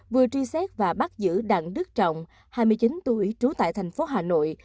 vừa truy xét và bắt giữ đặng đức trọng hai mươi chín tuổi trú tại thành phố hà nội